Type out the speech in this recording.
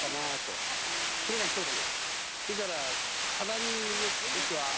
それが１つ。